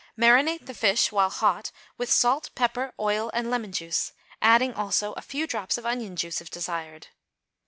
Method. Marinate the fish while hot with salt, pepper, oil and lemon juice, adding, also, a few drops of onion juice, if desired.